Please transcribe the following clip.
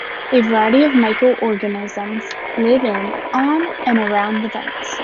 A variety of microorganisms live in, on, and around the vents.